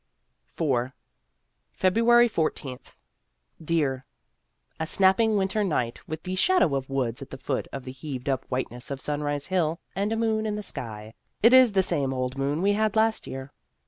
M. 252 Vassar Studies IV February i4th. DEAR : A snapping winter night with the shadow of woods at the foot of the heaved up whiteness of Sunrise Hill, and a moon in the sky. (It is the same old moon we had last year.)